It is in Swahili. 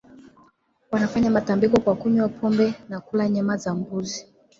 wanafanya matambiko kwa kunywa pombe na kula nyama za mbuzi